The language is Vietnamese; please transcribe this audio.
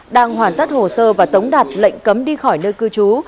đang hoàn tất hồ sơ và tống đạt lệnh cấm đi khỏi nơi cư trú